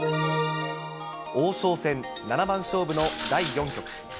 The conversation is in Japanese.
王将戦七番勝負の第４局。